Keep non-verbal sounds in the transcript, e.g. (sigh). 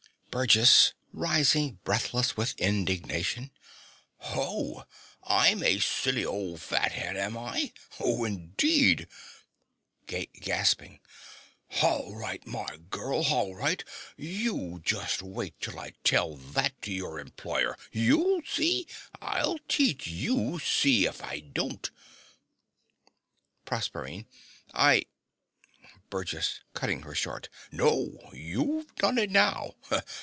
BURGESS (rising, breathless with indignation). Ho! I'm a silly ole fathead, am I? Ho, indeed. (gasps) Hall right, my gurl! Hall right. You just wait till I tell that to your employer. You'll see. I'll teach you: see if I don't. PROSERPINE. I BURGESS (cutting her short). No, you've done it now.